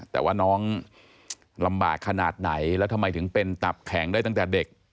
แต่ว่าน้องลำบากขนาดไหนแล้วทำไมถึงเป็นตับแข็งได้ตั้งแต่เด็ก